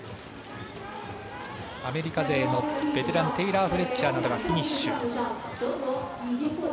アメリカ勢のベテランテイラー・フレッチャーなどがフィニッシュ。